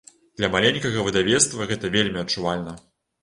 Для маленькага выдавецтва гэта вельмі адчувальна.